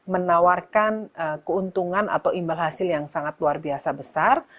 menawarkan keuntungan atau imbal hasil yang sangat luar biasa besar